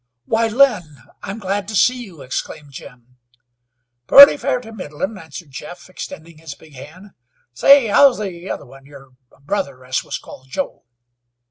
"Why, Lynn! I'm glad to see you," exclaimed Jim. "Purty fair to middlin'," answered Jeff, extending his big hand. "Say, how's the other one, your brother as wus called Joe?"